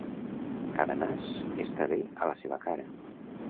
Cada nas està bé a la seva cara.